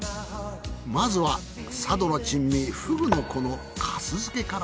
まずは佐渡の珍味河豚の子の粕漬けから。